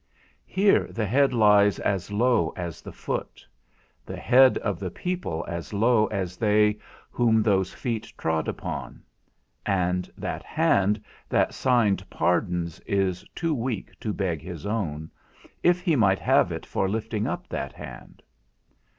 Here the head lies as low as the foot; the head of the people as low as they whom those feet trod upon; and that hand that signed pardons is too weak to beg his own, if he might have it for lifting up that hand.